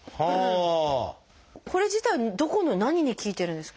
これ自体どこの何に効いてるんですか？